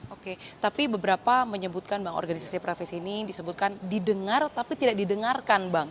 oke tapi beberapa menyebutkan bank organisasi profesi ini disebutkan didengar tapi tidak didengarkan bang